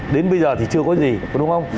đến bây giờ thì chưa có gì đúng không